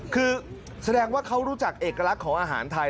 คือแสดงว่าเขารู้จักเอกลักษณ์ของอาหารไทย